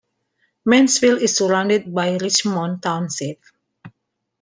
Mansfield is surrounded by Richmond Township.